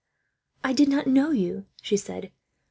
"I did not know you," she said.